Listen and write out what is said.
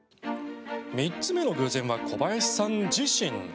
３つ目の偶然は小林さん自身。